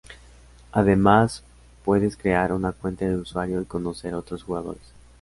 Además, puedes crear una cuenta de usuario y conocer a otros jugadores.